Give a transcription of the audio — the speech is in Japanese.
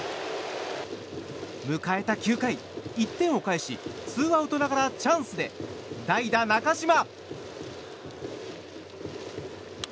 迎えた９回、１点を返しツーアウトながらチャンスで代打、中島。